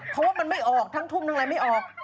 เพราะว่ามันไม่ออกทั้งทุ่มทั้งอะไรไม่ออก